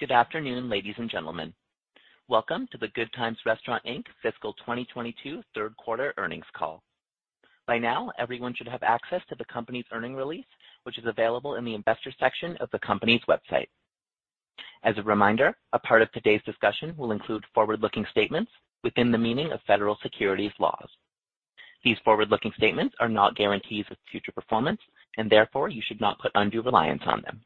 Good afternoon, ladies and gentlemen. Welcome to the Good Times Restaurants Inc. fiscal 2022 Q3 earnings call. By now, everyone should have access to the company's earnings release, which is available in the investor section of the company's website. As a reminder, a part of today's discussion will include forward-looking statements within the meaning of federal securities laws. These forward-looking statements are not guarantees of future performance and therefore you should not put undue reliance on them.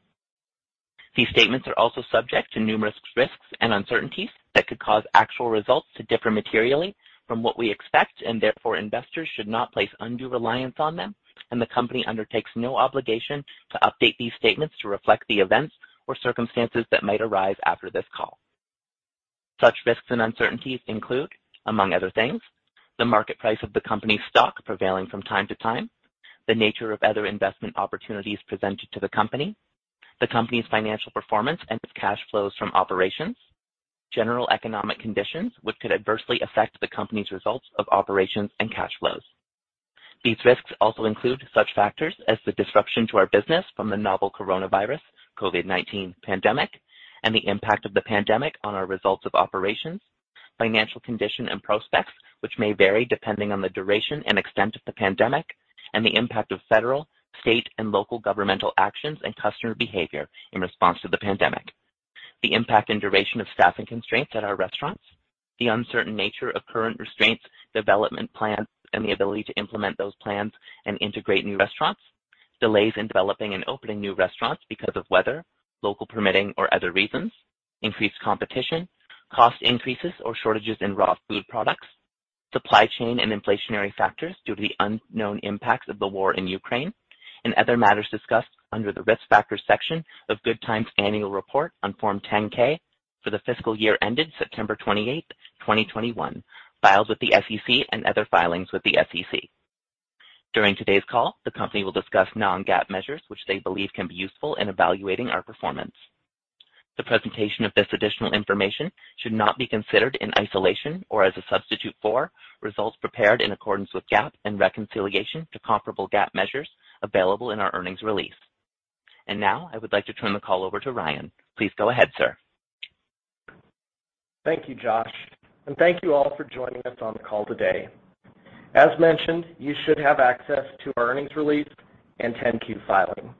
These statements are also subject to numerous risks and uncertainties that could cause actual results to differ materially from what we expect and therefore investors should not place undue reliance on them, and the company undertakes no obligation to update these statements to reflect the events or circumstances that might arise after this call. Such risks and uncertainties include, among other things, the market price of the company's stock prevailing from time to time, the nature of other investment opportunities presented to the company, the company's financial performance and its cash flows from operations, general economic conditions which could adversely affect the company's results of operations and cash flows. These risks also include such factors as the disruption to our business from the novel coronavirus COVID-19 pandemic and the impact of the pandemic on our results of operations, financial condition and prospects, which may vary depending on the duration and extent of the pandemic, and the impact of federal, state and local governmental actions and customer behavior in response to the pandemic. The impact and duration of staffing constraints at our restaurants, the uncertain nature of current restraints, development plans, and the ability to implement those plans and integrate new restaurants, delays in developing and opening new restaurants because of weather, local permitting or other reasons, increased competition, cost increases or shortages in raw food products, supply chain and inflationary factors due to the unknown impacts of the war in Ukraine, and other matters discussed under the Risk Factors section of Good Time's annual report on Form 10-K for the fiscal year ended 28 September, 2021, filed with the SEC and other filings with the SEC. During today's call, the company will discuss non-GAAP measures, which they believe can be useful in evaluating our performance. The presentation of this additional information should not be considered in isolation or as a substitute for results prepared in accordance with GAAP and reconciliation to comparable GAAP measures available in our earnings release. Now I would like to turn the call over to Ryan. Please go ahead, sir. Thank you, Josh, and thank you all for joining us on the call today. As mentioned, you should have access to our earnings release and 10-Q filing.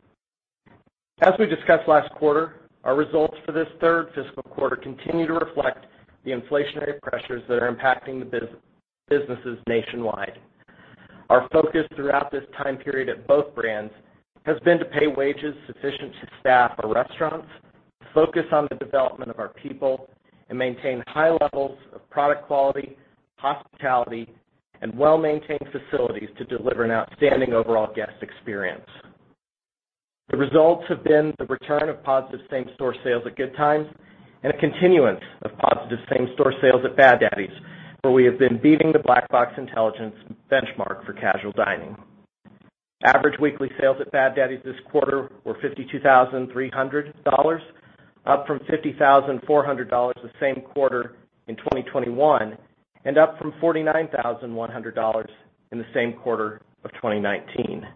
As we discussed last quarter, our results for this third fiscal quarter continue to reflect the inflationary pressures that are impacting the businesses nationwide. Our focus throughout this time period at both brands has been to pay wages sufficient to staff our restaurants, focus on the development of our people, and maintain high levels of product quality, hospitality and well-maintained facilities to deliver an outstanding overall guest experience. The results have been the return of positive same-store sales at Good Times and a continuance of positive same-store sales at Bad Daddy's, where we have been beating the Black Box Intelligence benchmark for casual dining. Average weekly sales at Bad Daddy's this quarter were $52,300, up from $50,400 the same quarter in 2021, and up from $49,100 in the same quarter of 2019.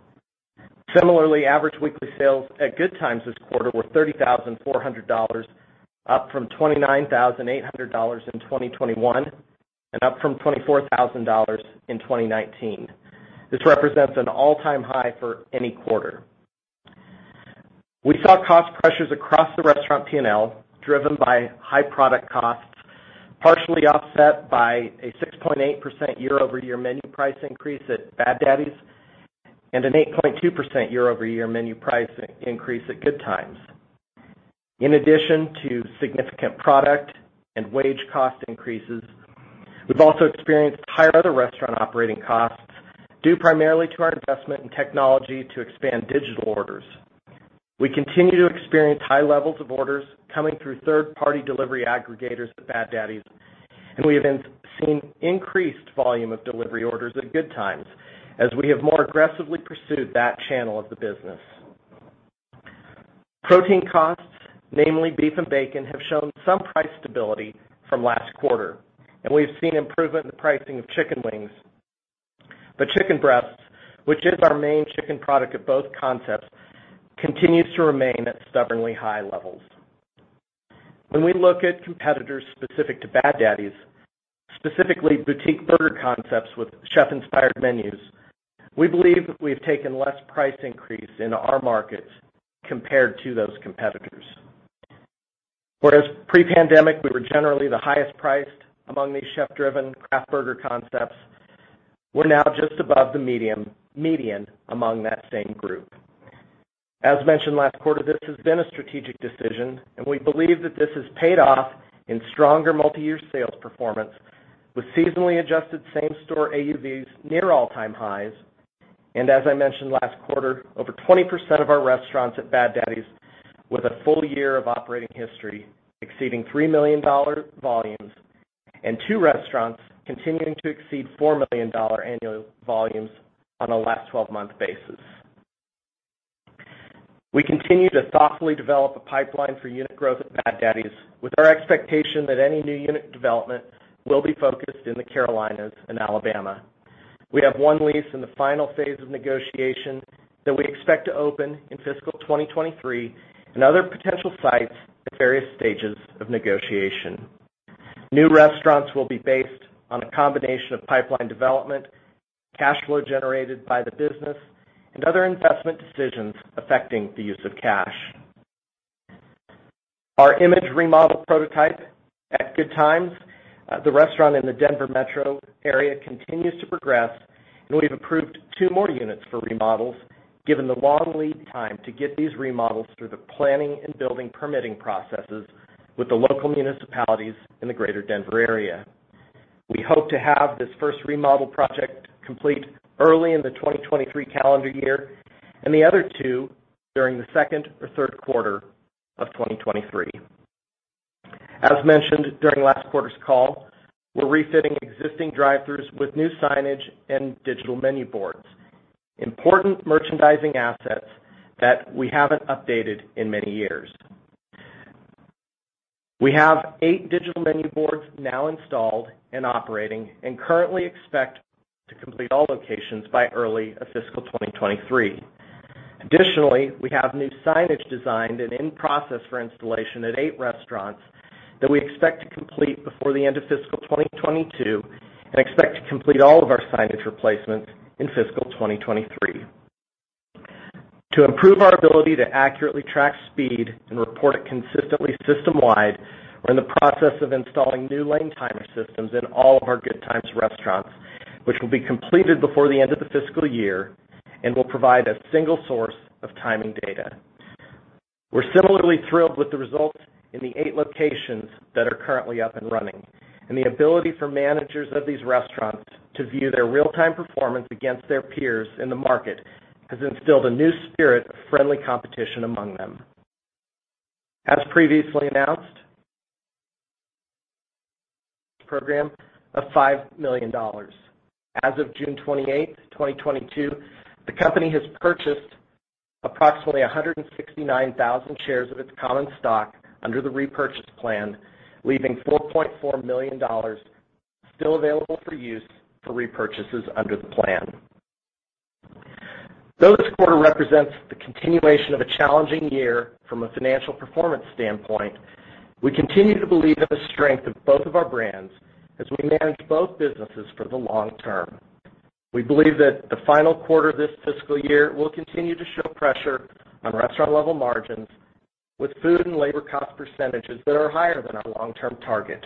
Similarly, average weekly sales at Good Times this quarter were $30,400, up from $29,800 in 2021 and up from $24,000 in 2019. This represents an all-time high for any quarter. We saw cost pressures across the restaurant P&L, driven by high product costs, partially offset by a 6.8% year-over-year menu price increase at Bad Daddy's and an 8.2% year-over-year menu price increase at Good Times. In addition to significant product and wage cost increases, we've also experienced higher other restaurant operating costs, due primarily to our investment in technology to expand digital orders. We continue to experience high levels of orders coming through third-party delivery aggregators at Bad Daddy's, and we have been seeing increased volume of delivery orders at Good Times as we have more aggressively pursued that channel of the business. Protein costs, namely beef and bacon, have shown some price stability from last quarter, and we've seen improvement in the pricing of chicken wings. Chicken breasts, which is our main chicken product at both concepts, continues to remain at stubbornly high levels. When we look at competitors specific to Bad Daddy's, specifically boutique burger concepts with chef-inspired menus, we believe we've taken less price increase in our markets compared to those competitors. Whereas pre-pandemic, we were generally the highest priced among these chef-driven craft burger concepts, we're now just above the medium, median among that same group. As mentioned last quarter, this has been a strategic decision, and we believe that this has paid off in stronger multi-year sales performance with seasonally adjusted same-store AUVs near all-time highs. As I mentioned last quarter, over 20% of our restaurants at Bad Daddy's with a full year of operating history exceeding $3 million volumes and two restaurants continuing to exceed $4 million annual volumes on a last twelve-month basis. We continue to thoughtfully develop a pipeline for unit growth at Bad Daddy's, with our expectation that any new unit development will be focused in the Carolinas and Alabama. We have one lease in the final phase of negotiation that we expect to open in fiscal 2023 and other potential sites at various stages of negotiation. New restaurants will be based on a combination of pipeline development, cash flow generated by the business, and other investment decisions affecting the use of cash. Our image remodel prototype at Good Times, the restaurant in the Denver metro area, continues to progress, and we've approved two more units for remodels given the long lead time to get these remodels through the planning and building permitting processes with the local municipalities in the greater Denver area. We hope to have this first remodel project complete early in the 2023 calendar year and the other two during the second or Q3 of 2023. As mentioned during last quarter's call, we're refitting existing drive-throughs with new signage and digital menu boards, important merchandising assets that we haven't updated in many years. We have eight digital menu boards now installed and operating and currently expect to complete all locations by early fiscal 2023. Additionally, we have new signage designed and in process for installation at eight restaurants that we expect to complete before the end of fiscal 2022 and expect to complete all of our signage replacements in fiscal 2023. To improve our ability to accurately track speed and report it consistently system-wide, we're in the process of installing new lane timer systems in all of our Good Times restaurants, which will be completed before the end of the fiscal year and will provide a single source of timing data. We're similarly thrilled with the results in the eight locations that are currently up and running, and the ability for managers of these restaurants to view their real-time performance against their peers in the market has instilled a new spirit of friendly competition among them. As previously announced, program of $5 million. As of 28 June, 2022, the company has purchased approximately 169,000 shares of its common stock under the repurchase plan, leaving $4.4 million still available for use for repurchases under the plan. Though this quarter represents the continuation of a challenging year from a financial performance standpoint, we continue to believe in the strength of both of our brands as we manage both businesses for the long term. We believe that the final quarter of this fiscal year will continue to show pressure on restaurant level margins with food and labor cost percentages that are higher than our long-term target.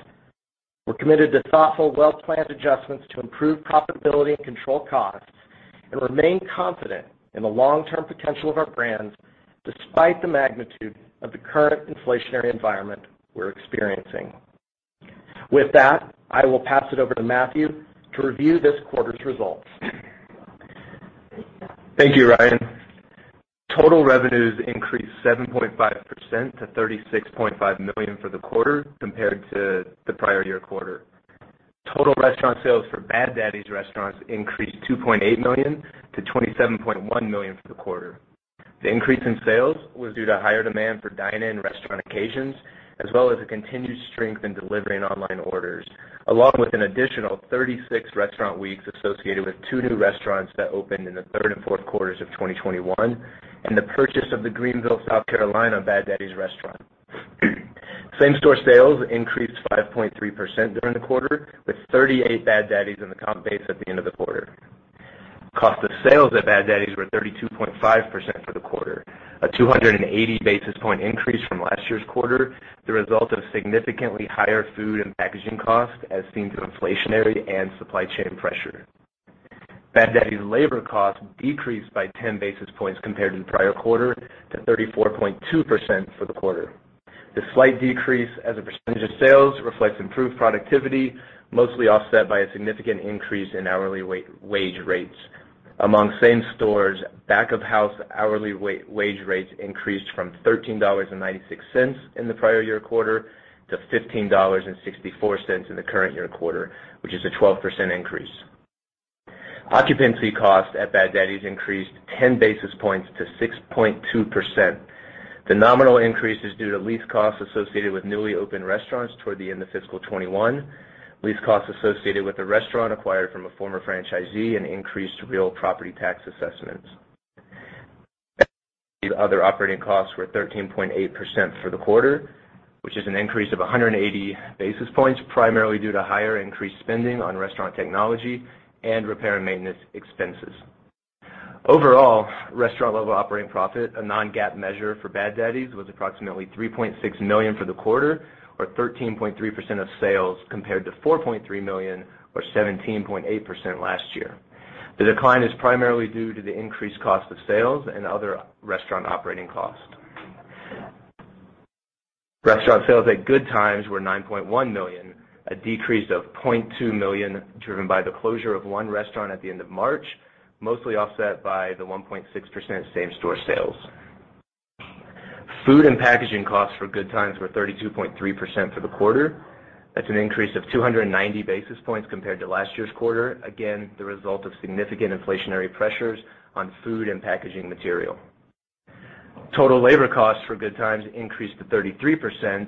We're committed to thoughtful, well-planned adjustments to improve profitability and control costs and remain confident in the long-term potential of our brands despite the magnitude of the current inflationary environment we're experiencing. With that, I will pass it over to Matthew to review this quarter's results. Thank you, Ryan. Total revenues increased 7.5% to $36.5 million for the quarter compared to the prior year quarter. Total restaurant sales for Bad Daddy's restaurants increased $2.8 million to $27.1 million for the quarter. The increase in sales was due to higher demand for dine-in restaurant occasions, as well as a continued strength in delivery and online orders, along with an additional 36 restaurant weeks associated with two new restaurants that opened in the third and Q4s of 2021 and the purchase of the Greenville, South Carolina Bad Daddy's restaurant. Same-store sales increased 5.3% during the quarter, with 38 Bad Daddy's in the comp base at the end of the quarter. Cost of sales at Bad Daddy's were 32.5% for the quarter, a 280 basis point increase from last year's quarter, the result of significantly higher food and packaging costs as seen through inflationary and supply chain pressure. Bad Daddy's labor costs decreased by 10 basis points compared to the prior quarter to 34.2% for the quarter. This slight decrease as a percentage of sales reflects improved productivity, mostly offset by a significant increase in hourly wage rates. Among same-store, back-of-house hourly wage rates increased from $13.96 in the prior year quarter to $15.64 in the current year quarter, which is a 12% increase. Occupancy costs at Bad Daddy's increased 10 basis points to 6.2%. The nominal increase is due to lease costs associated with newly opened restaurants toward the end of fiscal 2021, lease costs associated with a restaurant acquired from a former franchisee, and increased real property tax assessments. Other operating costs were 13.8% for the quarter, which is an increase of 180 basis points, primarily due to higher insurance spending on restaurant technology and repair and maintenance expenses. Overall, Restaurant Level Operating Profit, a non-GAAP measure for Bad Daddy's, was approximately $3.6 million for the quarter or 13.3% of sales compared to $4.3 million or 17.8% last year. The decline is primarily due to the increased cost of sales and other restaurant operating costs. Restaurant sales at Good Times were $9.1 million, a decrease of $0.2 million, driven by the closure of one restaurant at the end of March, mostly offset by the 1.6% same-store sales. Food and packaging costs for Good Times were 32.3% for the quarter. That's an increase of 290 basis points compared to last year's quarter, again, the result of significant inflationary pressures on food and packaging material. Total labor costs for Good Times increased to 33%,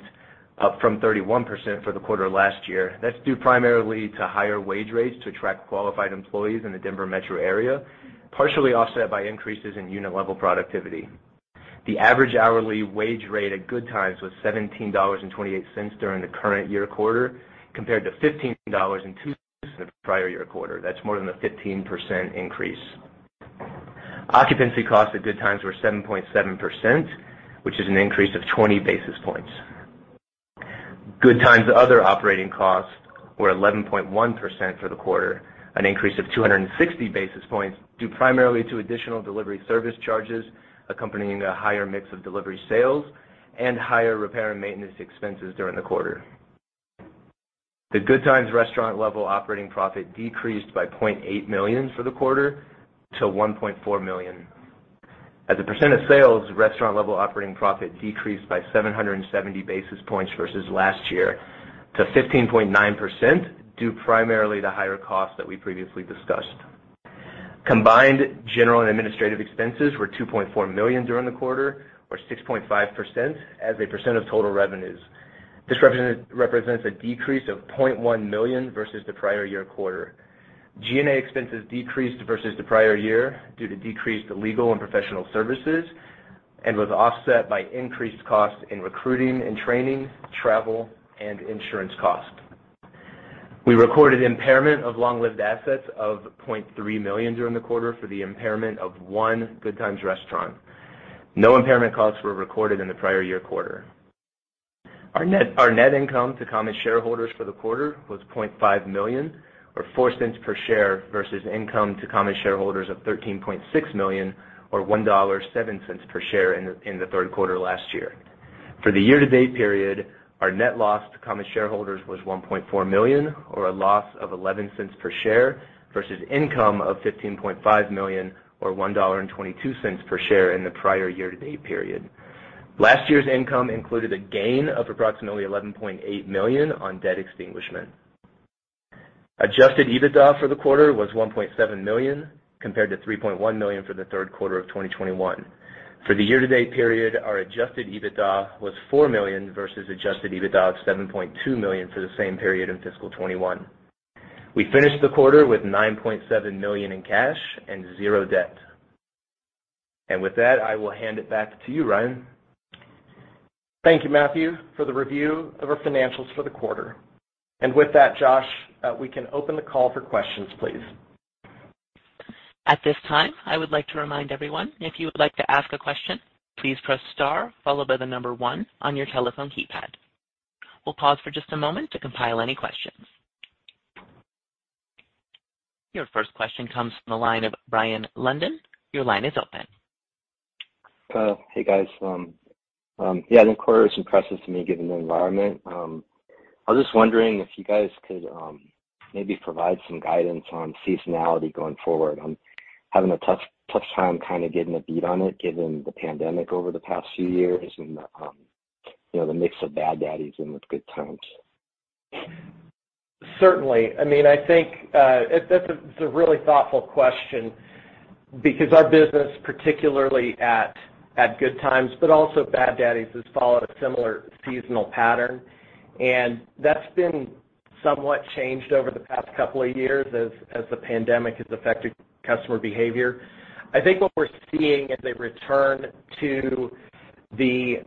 up from 31% for the quarter last year. That's due primarily to higher wage rates to attract qualified employees in the Denver Metro area, partially offset by increases in unit level productivity. The average hourly wage rate at Good Times was $17.28 during the current year quarter, compared to $15.02 in the prior year quarter. That's more than a 15% increase. Occupancy costs at Good Times were 7.7%, which is an increase of 20 basis points. Good Times other operating costs were 11.1% for the quarter, an increase of 260 basis points, due primarily to additional delivery service charges accompanying a higher mix of delivery sales and higher repair and maintenance expenses during the quarter. The Good Times Restaurant Level Operating Profit decreased by $0.8 million for the quarter to $1.4 million. As a percent of sales, Restaurant Level Operating Profit decreased by 770 basis points versus last year to 15.9%, due primarily to higher costs that we previously discussed. Combined general and administrative expenses were $2.4 million during the quarter or 6.5% as a percent of total revenues. This represents a decrease of $0.1 million versus the prior year quarter. G&A expenses decreased versus the prior year due to decreased legal and professional services, and was offset by increased costs in recruiting and training, travel, and insurance costs. We recorded impairment of long-lived assets of $0.3 million during the quarter for the impairment of one Good Times restaurant. No impairment costs were recorded in the prior year quarter. Our net income to common shareholders for the quarter was $0.5 million, or $0.04 per share, versus income to common shareholders of $13.6 million or $1.07 per share in the Q3 last year. For the year-to-date period, our net loss to common shareholders was $1.4 million or a loss of $0.11 per share versus income of $15.5 million or $1.22 per share in the prior year-to-date period. Last year's income included a gain of approximately $11.8 million on debt extinguishment. Adjusted EBITDA for the quarter was $1.7 million compared to $3.1 million for the Q3 of 2021. For the year-to-date period, our adjusted EBITDA was $4 million versus adjusted EBITDA of $7.2 million for the same period in fiscal 2021. We finished the quarter with $9.7 million in cash and zero debt. With that, I will hand it back to you, Ryan. Thank you, Matthew, for the review of our financials for the quarter. With that, Josh, we can open the call for questions, please. At this time, I would like to remind everyone, if you would like to ask a question, please press star followed by the number one on your telephone keypad. We'll pause for just a moment to compile any questions. Your first question comes from the line of Brian London. Your line is open. Hey, guys. Yeah, the quarter was impressive to me given the environment. I was just wondering if you guys could maybe provide some guidance on seasonality going forward. I'm having a tough time kind of getting a beat on it given the pandemic over the past few years and the, you know, the mix of Bad Daddy's and with Good Times. Certainly. I mean, I think, that's a, it's a really thoughtful question, because our business, particularly at Good Times, but also Bad Daddy's has followed a similar seasonal pattern. That's been somewhat changed over the past couple of years as the pandemic has affected customer behavior. I think what we're seeing is a return to the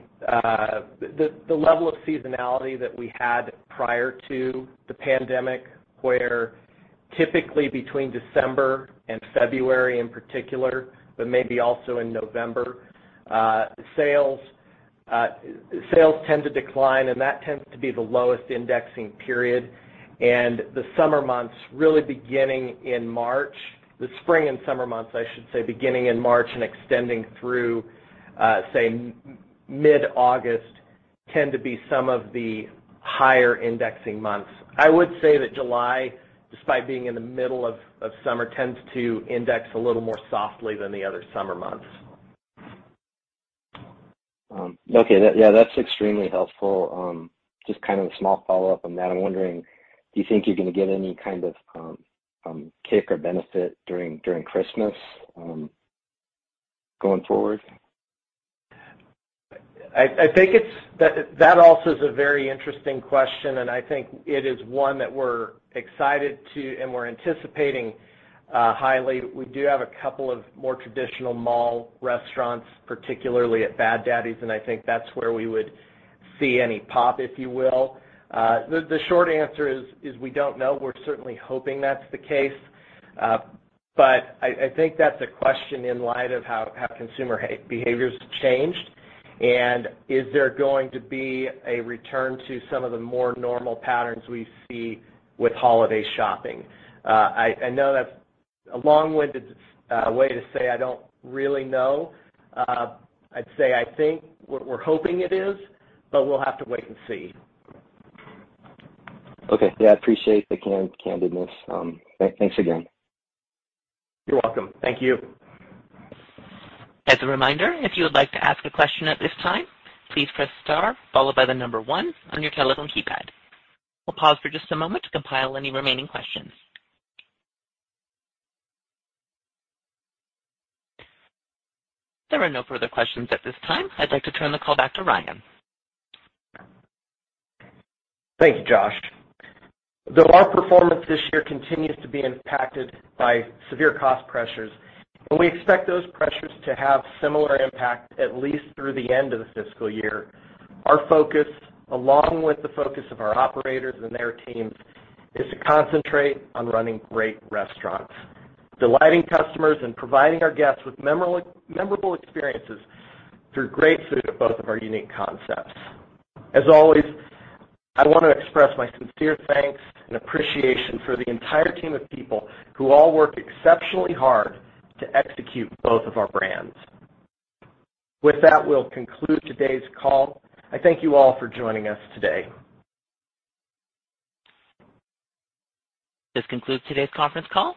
level of seasonality that we had prior to the pandemic, where typically between December and February in particular, but maybe also in November, sales tend to decline, and that tends to be the lowest indexing period. The summer months, really beginning in March, the spring and summer months, I should say, beginning in March and extending through, say mid-August, tend to be some of the higher indexing months. I would say that July, despite being in the middle of summer, tends to index a little more softly than the other summer months. Okay. Yeah, that's extremely helpful. Just kind of a small follow-up on that. I'm wondering, do you think you're gonna get any kind of kick or benefit during Christmas going forward? That also is a very interesting question, and I think it is one that we're excited to and we're anticipating highly. We do have a couple of more traditional mall restaurants, particularly at Bad Daddy's, and I think that's where we would see any pop, if you will. The short answer is we don't know. We're certainly hoping that's the case. I think that's a question in light of how consumer behaviors have changed and is there going to be a return to some of the more normal patterns we see with holiday shopping. I know that's a long-winded way to say I don't really know. I'd say I think what we're hoping it is, but we'll have to wait and see. Okay. Yeah, I appreciate the candidness. Thanks again. You're welcome. Thank you. As a reminder, if you would like to ask a question at this time, please press star followed by the number one on your telephone keypad. We'll pause for just a moment to compile any remaining questions. There are no further questions at this time. I'd like to turn the call back to Ryan. Thank you, Josh. Though our performance this year continues to be impacted by severe cost pressures, and we expect those pressures to have similar impact at least through the end of the fiscal year, our focus, along with the focus of our operators and their teams, is to concentrate on running great restaurants, delighting customers, and providing our guests with memorable experiences through great food at both of our unique concepts. As always, I wanna express my sincere thanks and appreciation for the entire team of people who all work exceptionally hard to execute both of our brands. With that, we'll conclude today's call. I thank you all for joining us today. This concludes today's conference call.